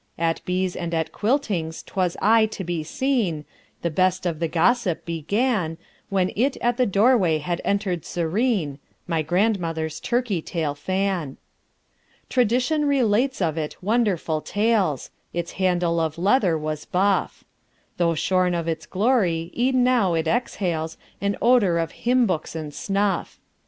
At bees and at quiltings 'twas aye to be seen; The best of the gossip began When in at the doorway had entered serene My grandmother's turkey tail fan. Tradition relates of it wonderful tales. Its handle of leather was buff. Though shorn of its glory, e'en now it exhales An odor of hymn books and snuff.